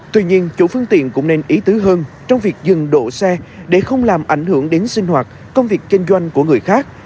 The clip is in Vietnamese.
tuy nhiên chủ phương tiện cũng nên ý tứ hơn trong việc dừng đổ xe để không làm ảnh hưởng đến sinh hoạt công việc kinh doanh của người khác